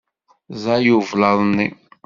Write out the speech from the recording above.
Ẓẓay ublaḍ-nni.